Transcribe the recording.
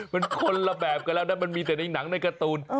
มันคนละแบบกันแล้วนะมันมีแต่ในหนังในการ์ตูน